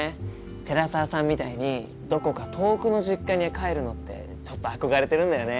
寺澤さんみたいにどこか遠くの実家に帰るのってちょっと憧れてるんだよね。